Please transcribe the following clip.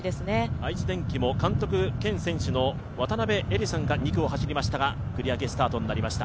愛知電機も監督権選手の渡部絵理さんが２区を走りましたが繰り上げスタートになりました。